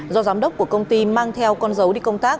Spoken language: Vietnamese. do giám đốc của công ty mang theo con dấu đi công tác